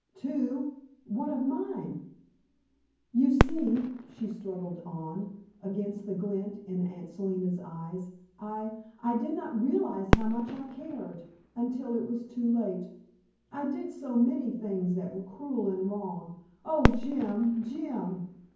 Two! What of mine? "You see," she struggled on, against the glint in Aunt Selina's eyes. "I I did not realize how much I cared, until it was too late. I did so many things that were cruel and wrong oh, Jim, Jim!"